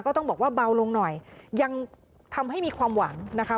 ก็ต้องบอกว่าเบาลงหน่อยยังทำให้มีความหวังนะคะ